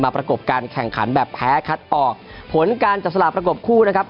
ประกบการแข่งขันแบบแพ้คัดออกผลการจับสลากประกบคู่นะครับ